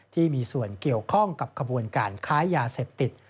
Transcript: ที่มีส่วนเกี่ยวข้องกับขบวนการค้ายาเสพติด